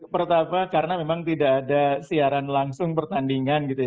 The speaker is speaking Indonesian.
pertama karena memang tidak ada siaran langsung pertandingan